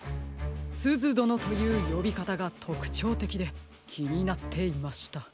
「すずどの」というよびかたがとくちょうてきできになっていました。